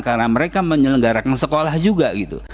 karena mereka menyelenggarakan sekolah juga gitu